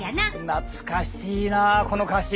懐かしいなあこの歌詞。